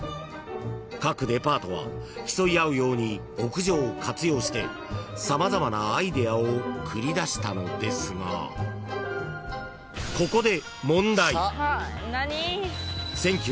［各デパートは競い合うように屋上を活用して様々なアイデアを繰り出したのですがここで］